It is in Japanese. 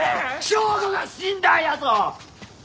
省吾が死んだんやぞ！？